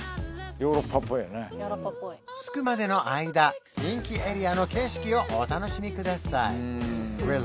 ヨーロッパっぽい着くまでの間人気エリアの景色をお楽しみください